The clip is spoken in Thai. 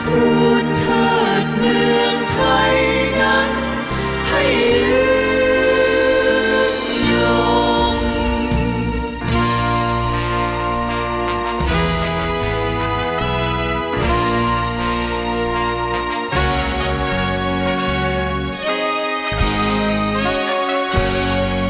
ทูลเถิดเมืองไทยกัน